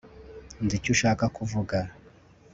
nzi icyo ushaka kuvuga